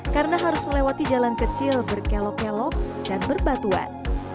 karena harus melewati jalan kecil berkelok kelok dan berbatuan